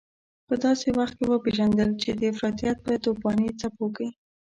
په داسې وخت کې وپېژندل چې د افراطيت په توپاني څپو کې.